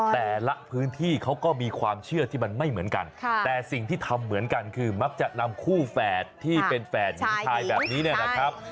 แต่ละพื้นที่เขาก็มีความเชื่อที่มันไม่เหมือนกันแต่สิ่งที่ทำเหมือนกันคือมักจะนำคู่แฝดที่เป็นแฝดหญิงชายแบบนี้เนี่ยนะครับ